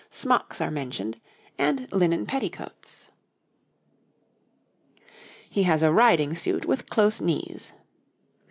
Smocks are mentioned, and linen petticoats. He has a riding suit with close knees.